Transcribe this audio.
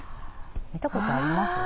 見たことあります？